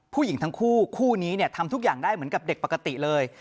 ผู้หญิงทั้งคู่คู่นี้เนี่ยทำทุกอย่างได้เหมือนกับเด็กปกติเลย